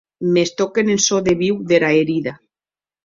Mès toquem en çò de viu dera herida.